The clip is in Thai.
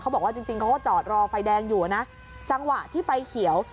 บอกว่าจริงจริงเขาก็จอดรอไฟแดงอยู่นะจังหวะที่ไฟเขียว